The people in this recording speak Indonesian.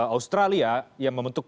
australia yang membentuk